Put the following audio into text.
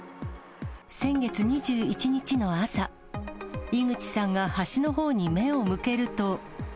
先月２１日の朝、井口さんが橋のほうに目を向けると。